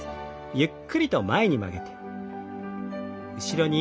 ゆっくりと前に曲げて後ろに。